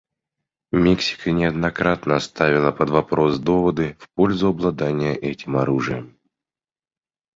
Мексика неоднократно ставила под вопрос доводы в пользу обладания этим оружием.